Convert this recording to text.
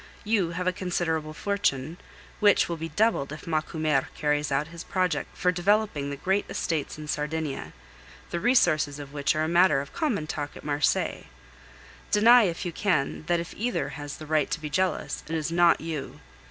You have a considerable fortune, which will be doubled if Macumer carries out his projects for developing his great estates in Sardinia, the resources of which are matter of common talk at Marseilles. Deny, if you can, that if either has the right to be jealous, it is not you.